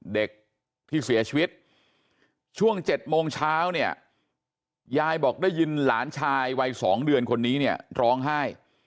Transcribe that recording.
เด็กที่เสียชีวิตช่วง๗โมงเช้าเนี่ยยายบอกได้ยินหลานชายวัย๒เดือนคนนี้เนี่ยร้องไห้